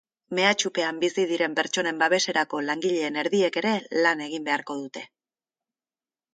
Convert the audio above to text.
Mehatxupean bizi diren pertsonen babeserako langileen erdiek ere lan egin beharko dute.